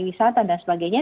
hari wisata dan sebagainya